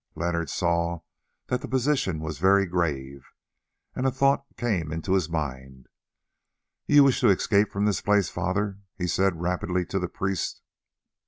Leonard saw that the position was very grave, and a thought came into his mind. "You wish to escape from this place, Father?" he said rapidly to the priest.